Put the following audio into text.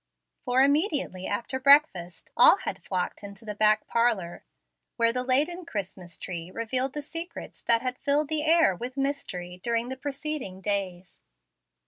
For, immediately after breakfast, all had flocked into the back parlor, where the laden Christmas tree revealed the secrets that had filled the air with mystery during the preceding days.